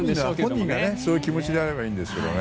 本人がそういう気持ちであればいいんですけどね。